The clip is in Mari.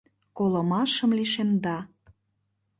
Колымашым лишемда